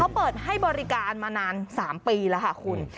เขาเปิดให้บริการมานาน๓ปีแล้วค่ะคุณ